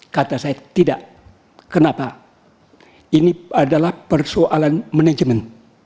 kata saya tidak kenapa ini adalah persoalan manajemen